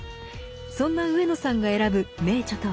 そんな上野さんが選ぶ名著とは。